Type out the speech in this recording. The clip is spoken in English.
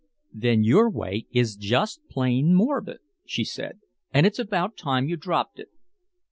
"Then your way is just plain morbid," she said, "and it's about time you dropped it."